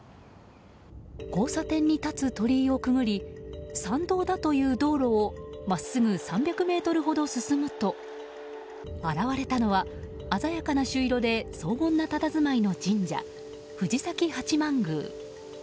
交差点に立つ鳥居をくぐり参道だという道路を真っすぐ３００ｍほど進むと現れたのは鮮やかな朱色で荘厳なたたずまいの神社藤崎八旛宮。